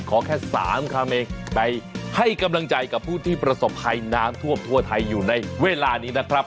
ขอแค่๓คำเองไปให้กำลังใจกับผู้ที่ประสบภัยน้ำท่วมทั่วไทยอยู่ในเวลานี้นะครับ